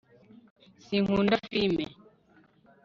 sinkunda firime